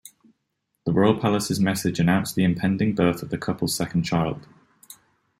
The royal palace's message announced the impending birth of the couple's second child.